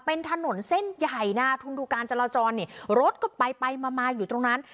เป็นถนนเส้นใหญ่นะทุนดูการจราจรเนี่ยรถก็ไปไปมามาอยู่ตรงนั้น